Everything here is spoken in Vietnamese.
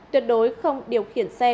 tuyệt đối không điều khiển xe